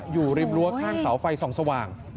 อยู่ริมรั้วข้างเสาไฟส่องสว่าง